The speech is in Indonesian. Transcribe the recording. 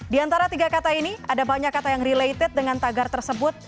di antara tiga kata ini ada banyak kata yang related dengan tagar tersebut